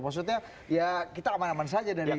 maksudnya ya kita aman aman saja dari saat ini